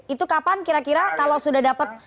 itu kapan kira kira kalau sudah dapat